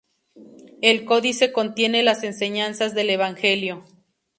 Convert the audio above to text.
El códice contiene las enseñanzas del Evangelio.